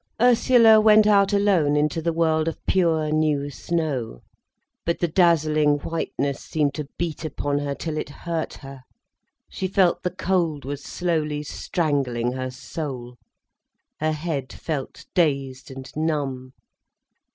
Ursula went out alone into the world of pure, new snow. But the dazzling whiteness seemed to beat upon her till it hurt her, she felt the cold was slowly strangling her soul. Her head felt dazed and numb.